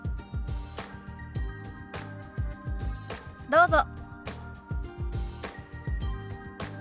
どうぞ。